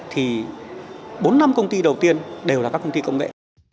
thì bốn năm công ty đầu tiên đều là các công ty công nghệ